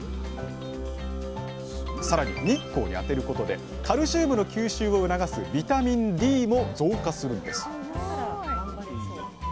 さらに日光に当てることでカルシウムの吸収を促すビタミンＤも増加するんです